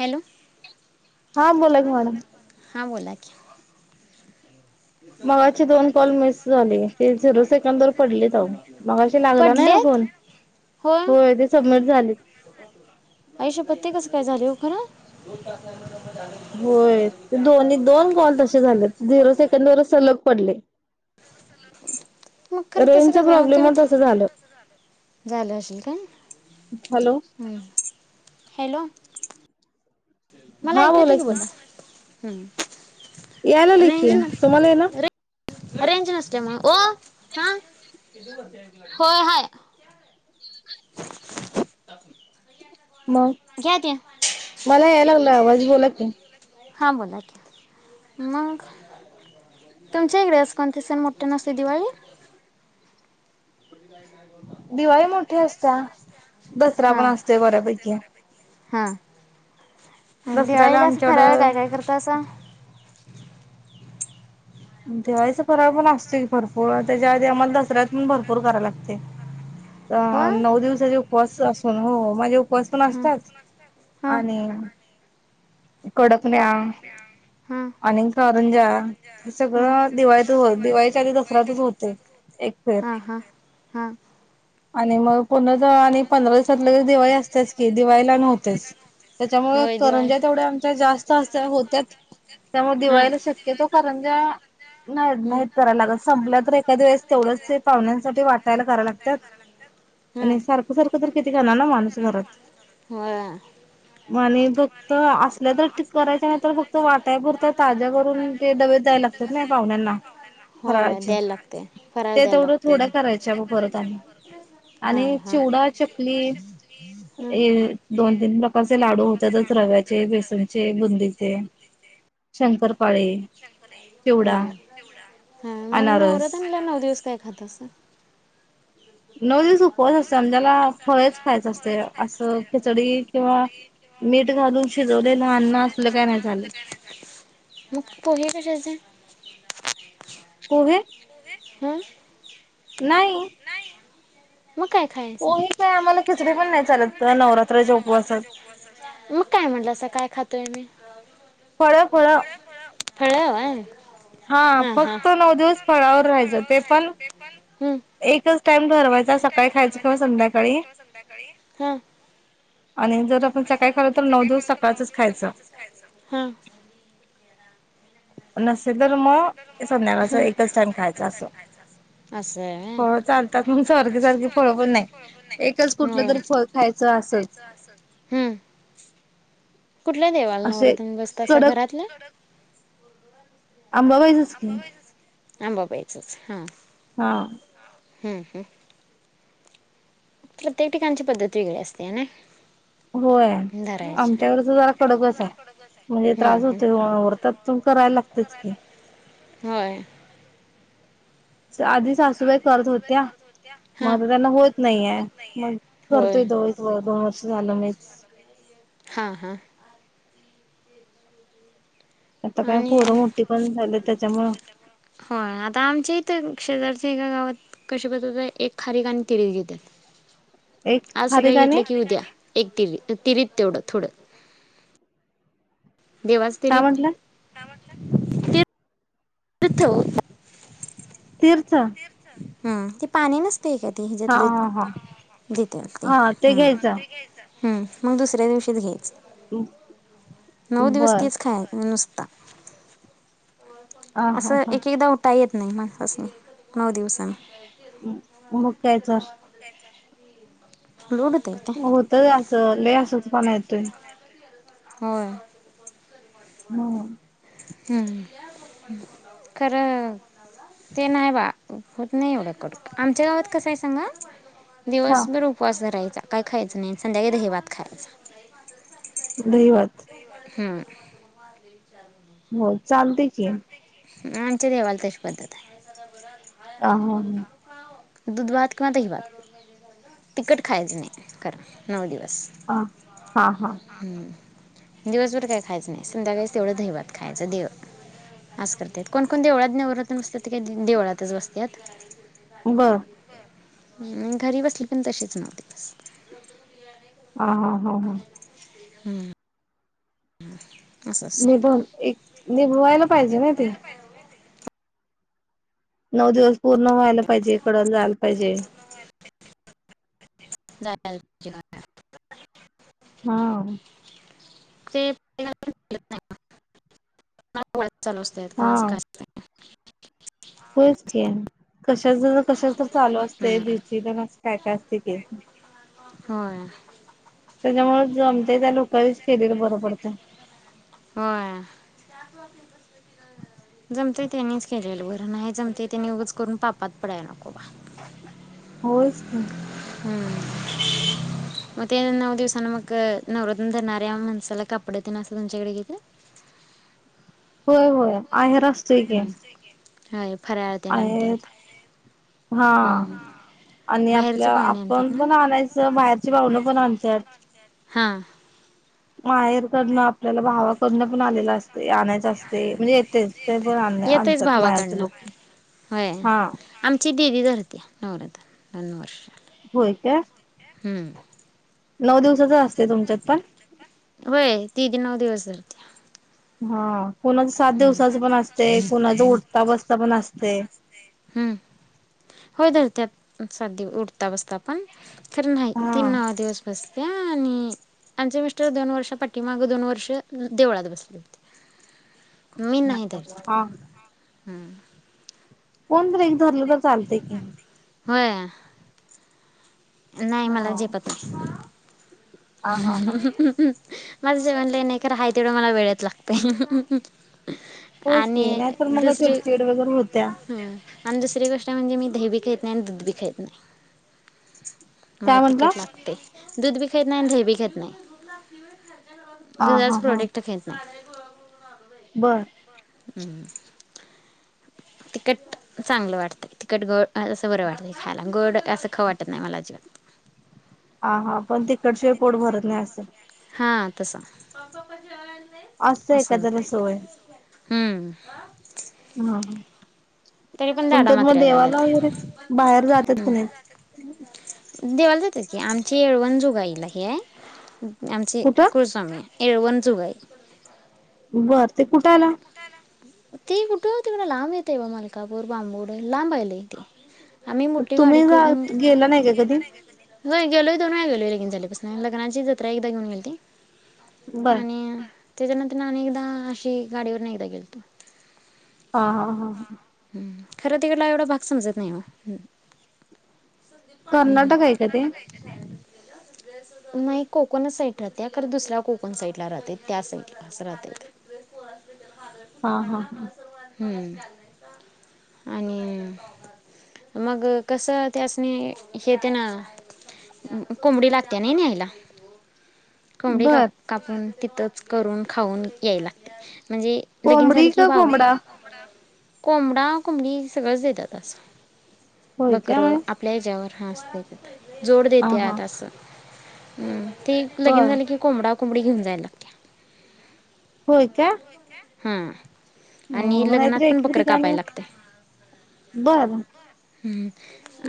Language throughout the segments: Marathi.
हॅलो. हा बोला की मॅडम. हां बोला की. मगाचे दोन कॉल मिस झाले ते झिरो सेकंद वर पडलेत अहो मगाशी लागला नाही पडले. ना फोन होय ते सलग झाले. आईशप्पथ कसं काय झाले हो खर.? होय दोन-दोन कॉल तसे झाले. झिरो सेकंड वरच सलग पडले. मग खरं तसं रेंज कसं काय मग तुम्ही प्रॉब्लेममुळे तस झालं. झालं असेल का हॅलो हम्. हॅलो. मला ऐकू येतय की बोला हम्म. याय लागलंय की रेंज तुम्हाला येईना ने रेंज नसते मूळ ओ. हा होय. हाय. मग घ्या ते मला याय लागला आवाज बोला की. हां बोला की. मग. तुमच्या इकडेे असं कोणते सण मोठ्यानं असतंय दिवाळी? [unintelligible] ठे असता दसरा पण हां असतंय बऱ्यापैकी. हां दसऱ्याला दिवाळीला अस फराळ काय आमच्याकडं काय करता असं? दिवाळीचा फराळ पण असतोय की भरपूर त्याच्या आधी आम्हाला दसऱ्यात पण भरपूर करायला लागतंय. अ नऊ हां दिवसाचे उपवास आसून हो माझे उपवास पण असतात आणि कडकण्या हां आणि कारंजा हे हां सगळं दिवाळीत दिवाळीच्या आधी दसऱ्यातच होतंय एक फेर हां. आणि म पुन्हा ज आणि पंधरा दिवसात लगेच दिवाळी असतेच की दिवाळीला नव्हतीस. त्याच्यामुळ होय दिवाळी करंजा तेवढ्या आमच्या जास्त आ स होतात. त्यामुळे हा दिवाळीला शक्यतो करंज्या नाही हम्म नाहीत करायला लागत संपल्या तर एखाद वेळेस तेवढंच ते पाहुण्यांसाठी वाटायला कराय लागत्यात. हम्म आणि सारखं सारखं तर किती करणार ना माणूस घरात होय म्हणि फक्त असल्या तर ठीक करायच्या नाही तर फक्त वाटाय पुरता ताज्या करून ते डबे द्याय लागतात नाही पाहुण्यांना होय फराळाचे. द्यायला लागतंय ते तेवढं थोड्या करायच्या मग परत आणि. हा आणि हा चिवडा चकली हम्म हे दोन तीन प्रकारचे लाडू होत्यातच रव्याचे, बेसनचे, बुंदीचे. शंकरपाळी चिव हम्म हा मग नवरातीला नऊ दिवस काय खातसा? नऊ दिवस उपवास असते त्याला फळेच खायचं असतय आसं खिचडी किंवा मीठ घालून शिजवलेले अन्न असलना का झाल. मग पोहे कशाचे? पोहे हा नाही. मग काय खायचं पोहे काय आम्हाला खिचडी पण नाही चालत नवरात्राच्या उपवासात. मग काय म्हटलासा काय खातोय मी. फळ फळ फळ आण. हा फक्त नऊ दिवस फळावर राहायचं ते पण एकच टाइम. ठरवायचा एकच टाईम सकाळी खायचं ठरवायच किंवा सकाळी खायच संध्याकाळी का संध्याकाळी.. हम. आणि जर आपण सकाळी खालो तर नऊ दिवस सकाळचच खायचं. हा [inaudible] नसेल तर म संध्याकाळच एकच टाइम खायचा असं असं आहे हो चालतात सारखे सारखे फळ पण नाही एकच व्हय कुठलं होय. तर फळ खायचं असच. [inaudible] हम्म कुठल्या देवाला नवरातन बसतासा घरातल्या? आंबाबाईचच की अंबाबाईचच हा. हा. हम हम. प्रत्येक ठिकाणची पद्धत वेगळी असते हे ना. होय धरायची. आमच्याकडच जरा कडकच आहे म्हणजे हम्म त्रास हम्म. होतो करायला लागतच. लागतंय. होय. आधी सासूबाई करत होत्या. मग हां आता त्यांना होत नाहीये मग होय करतोय तो. दोन वर्ष झालं नाहीच. हां हां आता काय आणि पोरं मोठी पण झाले त्याच्यामुळं हो आता आमच्या इथ शेजारच्या. एका गावात कसे बसे एक खारी गाणी तिरीज घेतात. एक आज खारीक सकाळी घेतलं आणि की उद्या. एक तिरी तिरीत तेवढं थोडं. देवासच काय तरीत म्हंटलं ते. तीर्थ बोलतात. तीर्थ. हम् ते पाणी नसते. ते का ती हा हच्यातलं हा हा देते [unintelligible] हा ते ह घ्यायचं हम्म मग दुसऱ्या दिवशी घ्यायच. नऊ दिवस बर तेच खायायचं नुसत. ह हा असं हा एक-एकदा उठाय येत नाही मडपातून नाही नऊ दिवसाने. ् मग काय तर. लोक [unintelligible] होत अस. लई अशक्त पाना येतोय. हो. हम. हम्म खर. ते नाही बा होत नाही एवढं कडू. आमच्या गावात कसं आहे सांगा. हा दिवसभर उपवास धरायचा. काय खायच नाही संध्याकाळी दही भात खायचा. दही भात हम्म हो चालते की. आमच्या देवाला तशी पद्धत आहे. अ ह ह दुधभात किंवा दहीभात तिखट खायचं नाही खरं नऊ दिव अ हा हा दिवसभर काय खायचं नाही, संध्याकाळीच तेवढं दहिभात खायचं देव असं करतात, कोण कोण देवळात नवरतन बसतात ती काय देवळातच बसतात. बर हम्म घरी बसली पण तशीच नऊ दिवस. हा हा हा हा हम्म [unintelligible] निभ एक निभवायला पाहिजे ना ते. नऊ दिवस पूर्ण व्हायला पाहिजे इकडं जायला पाहिजे. जायला पाहिजे [unintelligible] हा ते [unintelligible] नाही चालू असतय हा कोणाच काय असतंय. होयच की. कशाच न कशाच तर चालू असतंय, हम्म बी पी दमा असं काय काय असते ते. होय त्याच्यामुळे जमतेय त्या लोकांनीच केेलेलं बरं पडतंय. होय. जमतंय त्यांनीच केलेलं बरं, नाय जमतंय त्यांनी उगच करून पापात पडाय नको बा. होयच की. हम्म मग ते नऊ दिवसानं मग नवरत्न धरणाऱ्या माणसाला कापडं तेन असं तुमच्याकडे घेत? होय होय, आहेर असतुय की. ते आहेर आणत्यात, हा हम्म. आणि बाहेरचे आपल्या पाहुणे आणतात आपण ना पण आणायचं बाहेरची भावंड पण आणत्यात. हा माहेरकडनं आपल्याला भावाकडनं पण आलेला अस ते आणायचं असतंय, म्हणजे येतेच ते पण आण येतयच आणतात माहेरचे भावाकडनं लोकं होय, आमची दिदी धरत्या नवरात्र दोन वर्ष. होय का? नऊ दिवसाच असते तुमच्यात पण? होय दीदी नऊ दिवस धरते. हा कुणाचं सात दिवसाचं पण असतंय कुणाचं उठता बसता पण असतंय. हम्म, होय धरत्यात सात दि उठता बसता पण. खरं नाही, हा ती नऊ दिवस बसत्या आणि आमचे मिस्टर दोन वर्षा पाठीमाग दोन वर्ष देवळात बसले होते. मी नाही धरत हा हम्म कोणतर एक धरलं तर चालतंय की. होय नाही हा मला झेपत नाही. [unintelligible] हा हा हा माझं जेवण लई नाही खरं. आहे तेवढं मला वेळेत लागतंय. होच आणि की नाहीतर मग दुसरी. चिडचिड वगैरे होत्या. आणि दुसरी गोष्ट म्हणजे मी. दही बी खात नाही दूध बी खात नाही मला काय म्हटला तिखट लागतंय. दुध बी नाही दही बी खात नाही हा दुधाचे प्रोडक्ट खात नाही. बरं हम्म [inaudible] तिखट चांगलं वाटतंय तिखट गोड असं बरं वाटतं खायला गोड असं खाऊ वाटत नाही मला अजिबात. हा हा पण तिखटशिवाय पोट भरत नाही असं. हा तसं. असते असं एखाद्याला होतंय सवय. हम्म. हा हा. तरी पण दाढा तुमच्यात मग मात्र्या देवाला आल्यात. वगैरे बाहेर जातात की नाहीत. देवाला जातात की आमची येळवण जूगाईला ही आहे. आमची कुठं कुलस्वामिनी येळवणजुगाई. बर ते कुठे आलं? ती कुठे होती लांब येते बघा मलकापूर बांबूड लांब आहे लय ते. आम्ही मोठी तुम्ही गाडी जा गेला नाही का कधी? हो गेलोय दोन गेलोय लगीन झालेपासून लग्नाची जत्रा एकदा घेऊन गेलती. बर आणि त्याच्यानंतर अनेकदा अशी गाडीवरून एकदा गेलतो. हा हा हा हा. हम् खरं तिकडला एवढा भाग समजत नाही ओ. कर्नाटक आहे का ते? नाही कोकणच साईट राहते खरं दुसऱ्या कोकण साईड ला राहते त्या साईडलाच राहते. [inaudible] हा हा हम्म आणि मग कसं त्यासनी हेे तेन कोंबडी लागते नाय न्ह्यायला. कोंबडी बर कापून तिथंच करून खाऊन याय लागते. म्हणजे लगिन झाले कोंबडी की का बाऊ कोंबडा कोंबडा कोंबडी सगळंच देतात अससं होय बकर काय आपल्या हेच्यावर हाअसते जोड हा हा देतात असं ती लगन बर झाली की कोंबडा कोंबडी घेऊन जायला लागते हा. हो मतरी एक ठिकाणी लागते बर हम्म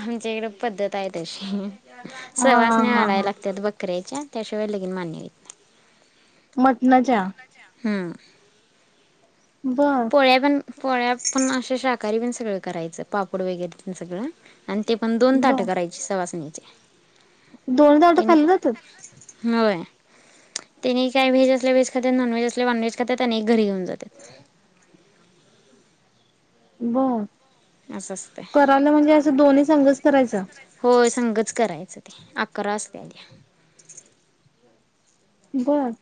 आमच्या इकडे पद्धत आहे तशी हा हा सवास हा मिळालाय हा लागतात ब कर्रेच्या त्याशिवाय लेगीन मान्य होत नाही. मटनच्या हां. बर पोळ्या पण पोळ्या पण अशे शाकाहारी पण सगळं करायचं पापड वगैरे प सगळं. आणि ते पण दोन ताटं बर करायची सवासनी. दोन ताटं खाल्ली जातात. होय. त्यांने काही व्हेज असले व्हेज खाते नॉन व्हेज असले नॉन व्हेज खातात आणि एक घरी घेऊन जातात. बर असं असतंय करायला म्हणजे असं दोन्ही संघच करायचं. संघच करायचं ते अकरा असतेत. बर.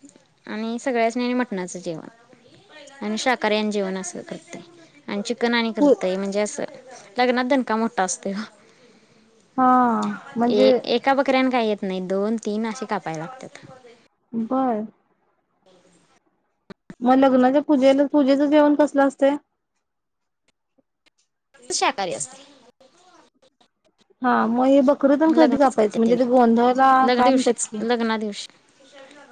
सगळ्याच मटणाचं जेवण आणि शाकाऱ्यान जेवण असं करते. आणि चिकन आणि पू करतय म्हणजे असं लग्नात दणका मोठा असतोय ओ. हा ए म्हणजे एका बकऱ्याने काही येत नाही दोन तीन असे कापायला लागतात. बर मग लग्नाच्या पूजेला पूजेच जेवण कसलं असत. शाकाहारी असते. हा मग हे बकरी तेन कधी लग्नातच करतात कापायचं. म्हणजे ते त्यानी गोंधळला काय म्हणतात की ते.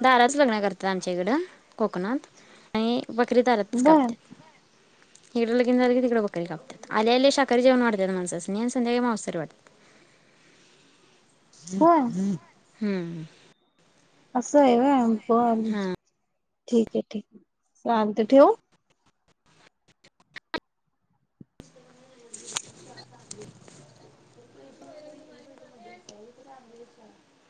दारच लग्न करतात आमच्या इकडं कोकणात आणि. बकरी दारातच बर कापत्यात. हिकडं लगीन झालं की तीड बकरी कापतात. आल्या आल्या शाकाहारी जेवन वाडतात माणसांनी आणि संध्याकाळी मावसारी वाढतात. ह [unintelligible] होय. हम्म. असं आहे होय. बर हा ठीक आहे. ठीक चालतय ठेवू. [inaudible] [inaudible] [inaudible]